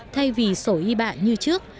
thay vì sổ y bạ như trước